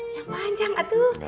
yang panjang atuh